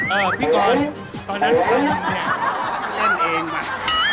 เอ่อพี่กรตอนนั้นทำอย่างนี้เล่นเองมา